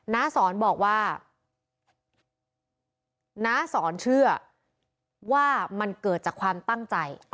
น้าสอนบอกว่าน้าสอนเชื่อว่ามันเกิดจากความตั้งใจ